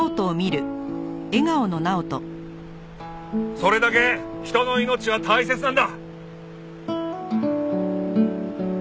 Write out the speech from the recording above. それだけ人の命は大切なんだ。